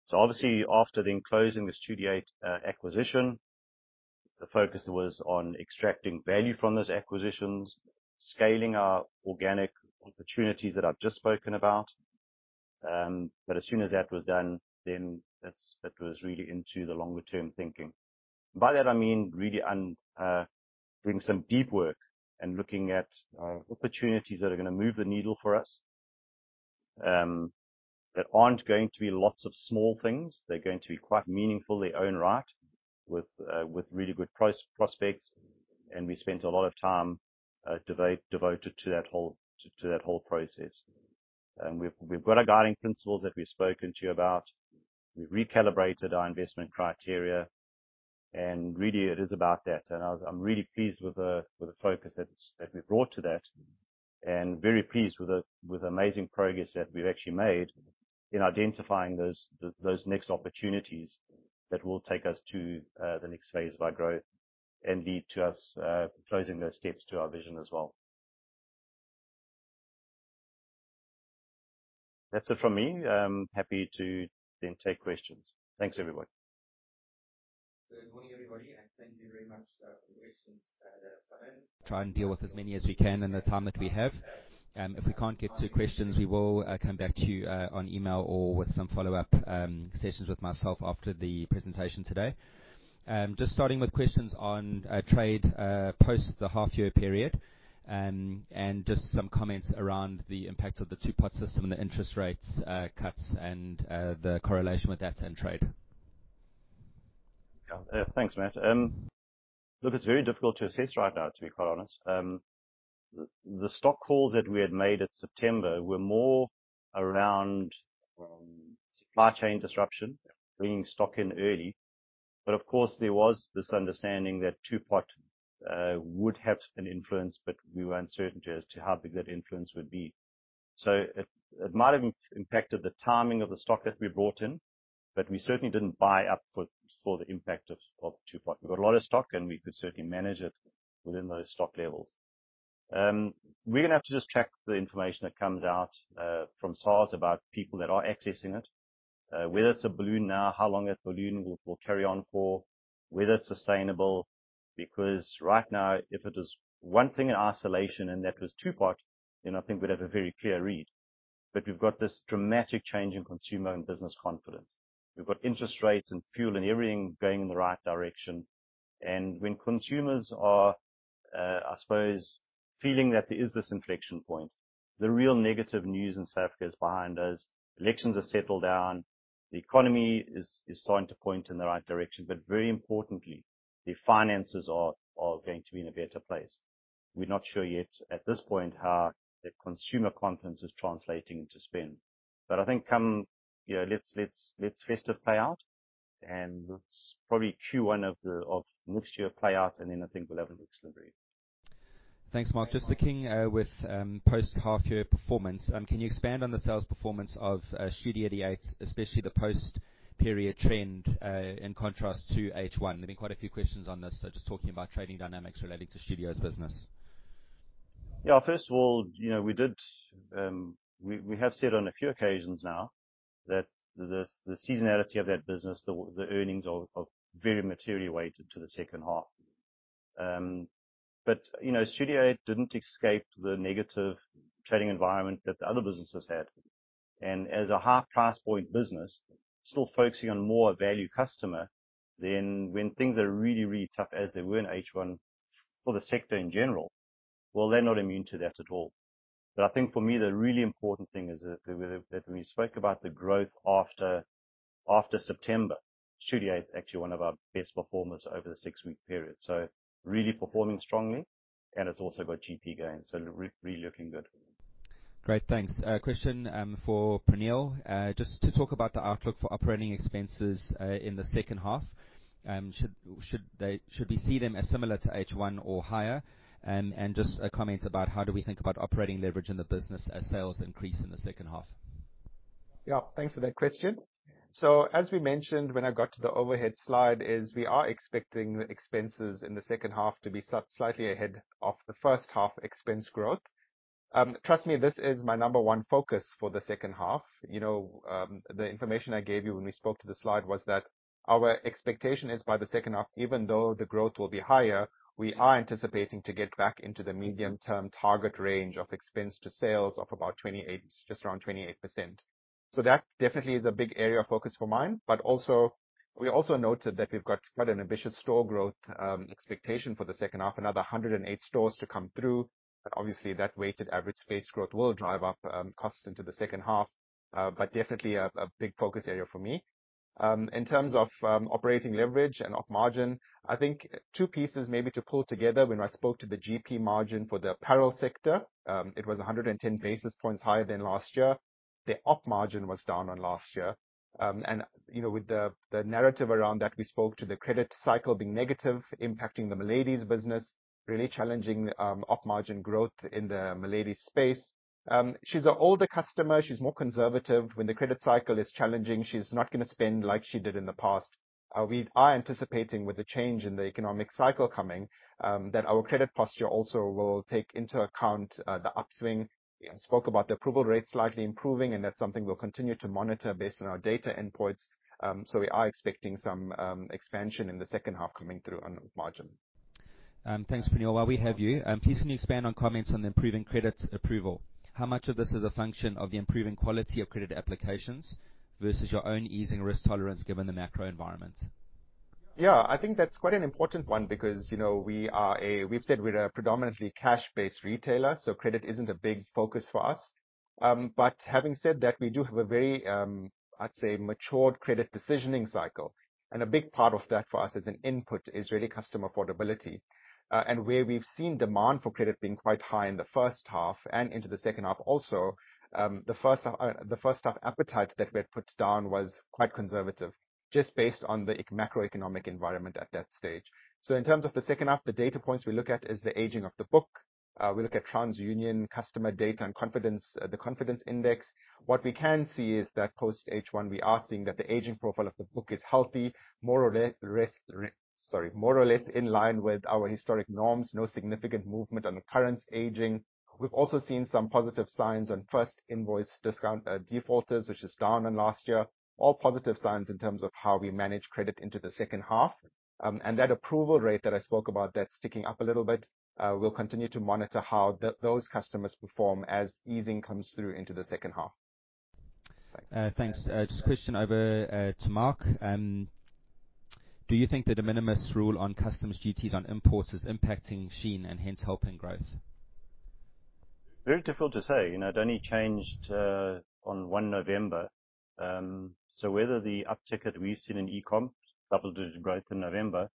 so obviously, after then closing the Studio 88 acquisition, the focus was on extracting value from those acquisitions, scaling our organic opportunities that I've just spoken about, but as soon as that was done, then that was really into the longer-term thinking, and by that, I mean really doing some deep work and looking at opportunities that are going to move the needle for us that aren't going to be lots of small things. They're going to be quite meaningful in their own right with really good prospects, and we spent a lot of time devoted to that whole process, and we've got our guiding principles that we've spoken to you about. We've recalibrated our investment criteria. And really, it is about that. And I'm really pleased with the focus that we've brought to that and very pleased with the amazing progress that we've actually made in identifying those next opportunities that will take us to the next phase of our growth and lead to us closing those steps to our vision as well. That's it from me. I'm happy to then take questions. Thanks, everyone. Good morning, everybody. And thank you very much for your questions that I've gotten. Try and deal with as many as we can in the time that we have. If we can't get to questions, we will come back to you on email or with some follow-up sessions with myself after the presentation today. Just starting with questions on trade post the half-year period and just some comments around the impact of the Two-Pot system and the interest rate cuts and the correlation with that and trade. Yeah. Thanks, Matt. Look, it's very difficult to assess right now, to be quite honest. The stock calls that we had made at September were more around supply chain disruption, bringing stock in early. But of course, there was this understanding that Two-Pot would have an influence, but we were uncertain as to how big that influence would be. So it might have impacted the timing of the stock that we brought in, but we certainly didn't buy up for the impact of Two-Pot. We've got a lot of stock, and we could certainly manage it within those stock levels. We're going to have to just track the information that comes out from SARS about people that are accessing it, whether it's a balloon now, how long that balloon will carry on for, whether it's sustainable. Because right now, if it was one thing in isolation and that was Two-Pot, then I think we'd have a very clear read. But we've got this dramatic change in consumer and business confidence. We've got interest rates and fuel and everything going in the right direction. And when consumers are, I suppose, feeling that there is this inflection point, the real negative news in South Africa is behind us. Elections are settled down. The economy is starting to point in the right direction. But very importantly, the finances are going to be in a better place. We're not sure yet at this point how the consumer confidence is translating into spend. But I think let's festive play out, and let's probably Q1 of next year's play out, and then I think we'll have an excellent read. Thanks, Mark. Just sticking with post-half-year performance, can you expand on the sales performance of Studio 88, especially the post-period trend in contrast to H1? There've been quite a few questions on this, just talking about trading dynamics relating to Studio's business. Yeah. First of all, we have said on a few occasions now that the seasonality of that business, the earnings are very materially weighted to the second half. But Studio 88 didn't escape the negative trading environment that the other businesses had. And as a half-price point business, still focusing on more value customer, then when things are really, really tough as they were in H1 for the sector in general, well, they're not immune to that at all. But I think for me, the really important thing is that when we spoke about the growth after September, Studio 88 is actually one of our best performers over the six-week period. So really performing strongly, and it's also got GP gains. So really looking good. Great. Thanks. Question for Praneel. Just to talk about the outlook for operating expenses in the second half, should we see them as similar to H1 or higher? And just a comment about how do we think about operating leverage in the business as sales increase in the second half? Yeah. Thanks for that question. So as we mentioned when I got to the overhead slide, we are expecting expenses in the second half to be slightly ahead of the first half expense growth. Trust me, this is my number one focus for the second half. The information I gave you when we spoke to the slide was that our expectation is by the second half, even though the growth will be higher, we are anticipating to get back into the medium-term target range of expense to sales of about 28%, just around 28%. So that definitely is a big area of focus for mine. But we also noted that we've got quite an ambitious store growth expectation for the second half, another 108 stores to come through. Obviously, that weighted average space growth will drive up costs into the second half, but definitely a big focus area for me. In terms of operating leverage and op margin, I think two pieces maybe to pull together. When I spoke to the GP margin for the apparel sector, it was 110 basis points higher than last year. The op margin was down on last year. With the narrative around that, we spoke to the credit cycle being negative, impacting the Miladys business, really challenging op margin growth in the Milady space. She's an older customer. She's more conservative. When the credit cycle is challenging, she's not going to spend like she did in the past. We are anticipating with the change in the economic cycle coming that our credit posture also will take into account the upswing. I spoke about the approval rate slightly improving, and that's something we'll continue to monitor based on our data endpoints. So we are expecting some expansion in the second half coming through on margin. Thanks, Praneel. While we have you, please can you expand on comments on the improving credit approval? How much of this is a function of the improving quality of credit applications versus your own easing risk tolerance given the macro environment? Yeah. I think that's quite an important one because we've said we're a predominantly cash-based retailer, so credit isn't a big focus for us. But having said that, we do have a very, I'd say, matured credit decisioning cycle. And a big part of that for us as an input is really customer affordability. And where we've seen demand for credit being quite high in the first half and into the second half also, the first-half appetite that we had put down was quite conservative just based on the macroeconomic environment at that stage. So in terms of the second half, the data points we look at is the aging of the book. We look at TransUnion customer data and confidence, the confidence index. What we can see is that post H1, we are seeing that the aging profile of the book is healthy, more or less in line with our historic norms, no significant movement on the current aging. We've also seen some positive signs on first invoice defaulters, which is down on last year. All positive signs in terms of how we manage credit into the second half, and that approval rate that I spoke about, that's ticking up a little bit. We'll continue to monitor how those customers perform as easing comes through into the second half. Thanks. Just a question over to Mark. Do you think that a de minimis rule on customs duties on imports is impacting Shein and hence helping growth? Very difficult to say. It only changed on 1 November. So whether the uptick that we've seen in e-com double-digit growth in November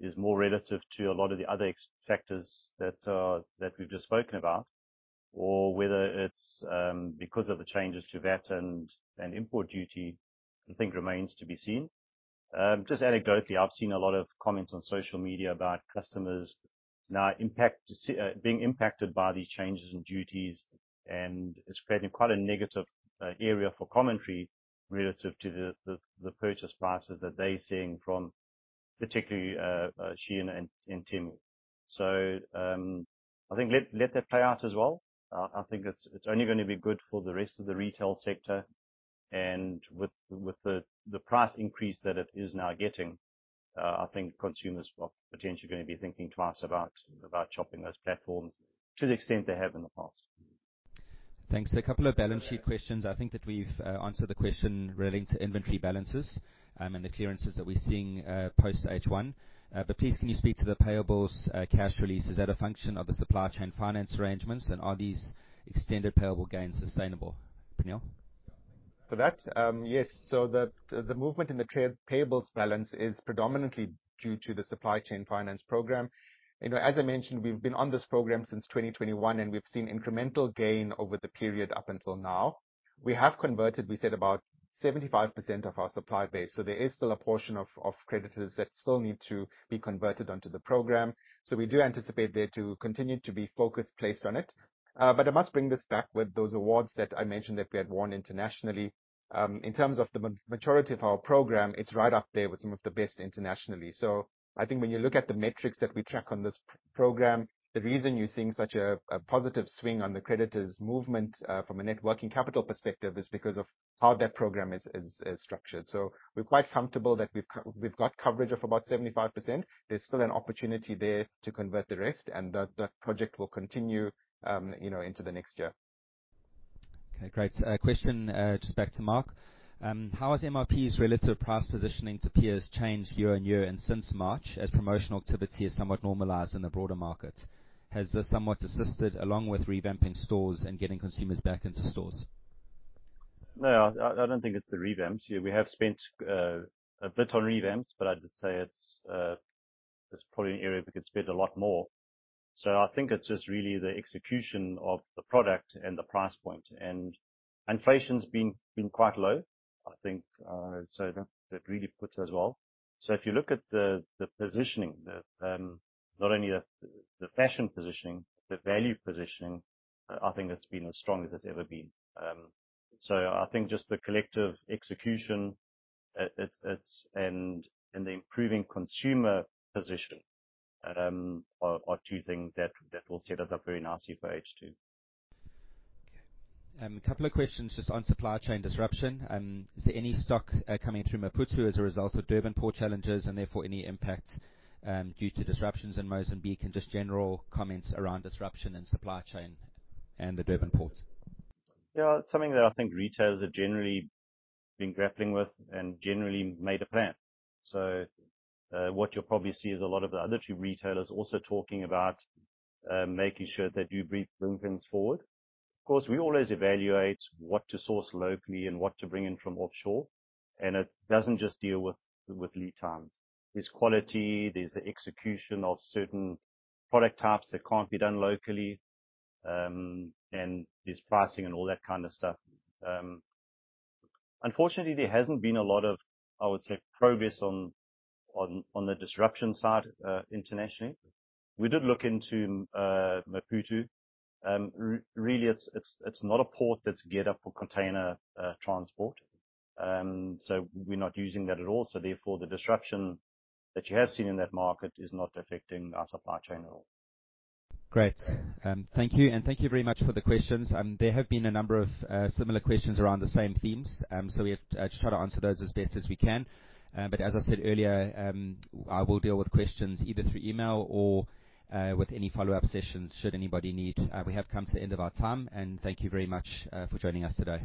is more relative to a lot of the other factors that we've just spoken about, or whether it's because of the changes to VAT and import duty, I think remains to be seen. Just anecdotally, I've seen a lot of comments on social media about customers being impacted by these changes in duties, and it's creating quite a negative area for commentary relative to the purchase prices that they're seeing from particularly Shein and Temu. So I think let that play out as well. I think it's only going to be good for the rest of the retail sector. With the price increase that it is now getting, I think consumers are potentially going to be thinking twice about shopping those platforms to the extent they have in the past. Thanks. A couple of balance sheet questions. I think that we've answered the question relating to inventory balances and the clearances that we're seeing post H1. But please, can you speak to the payables cash release? Is that a function of the supply chain finance arrangements? And are these extended payable gains sustainable? Praneel? For that, yes. So the movement in the payables balance is predominantly due to the supply chain finance program. As I mentioned, we've been on this program since 2021, and we've seen incremental gain over the period up until now. We have converted, we said, about 75% of our supply base. So there is still a portion of creditors that still need to be converted onto the program. So we do anticipate there to continue to be focus placed on it. But I must bring this back with those awards that I mentioned that we had won internationally. In terms of the maturity of our program, it's right up there with some of the best internationally. I think when you look at the metrics that we track on this program, the reason you're seeing such a positive swing on the creditors' movement from a net working capital perspective is because of how that program is structured. We're quite comfortable that we've got coverage of about 75%. There's still an opportunity there to convert the rest, and that project will continue into the next year. Okay. Great. Question just back to Mark. How has MRP's relative price positioning to peers changed year-on-year and since March as promotional activity has somewhat normalized in the broader market? Has this somewhat assisted along with revamping stores and getting consumers back into stores? No. I don't think it's the revamps. We have spent a bit on revamps, but I'd say it's probably an area we could spend a lot more. So I think it's just really the execution of the product and the price point. And inflation's been quite low, I think. So that really puts us well. So if you look at the positioning, not only the fashion positioning, the value positioning, I think it's been as strong as it's ever been. So I think just the collective execution and the improving consumer position are two things that will set us up very nicely for H2. Okay. A couple of questions just on supply chain disruption. Is there any stock coming through Maputo as a result of Durban Port challenges and therefore any impact due to disruptions in Mozambique and just general comments around disruption in supply chain and the Durban Port? Yeah. It's something that I think retailers are generally been grappling with and generally made a plan, so what you'll probably see is a lot of the other two retailers also talking about making sure that you bring things forward. Of course, we always evaluate what to source locally and what to bring in from offshore, and it doesn't just deal with lead times. There's quality. There's the execution of certain product types that can't be done locally, and there's pricing and all that kind of stuff. Unfortunately, there hasn't been a lot of, I would say, progress on the disruption side internationally. We did look into Maputo. Really, it's not a port that's geared up for container transport, so we're not using that at all, so therefore, the disruption that you have seen in that market is not affecting our supply chain at all. Great. Thank you. And thank you very much for the questions. There have been a number of similar questions around the same themes. So we have to try to answer those as best as we can. But as I said earlier, I will deal with questions either through email or with any follow-up sessions should anybody need. We have come to the end of our time. And thank you very much for joining us today.